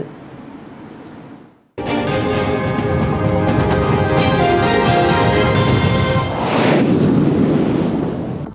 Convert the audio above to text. thầy và chò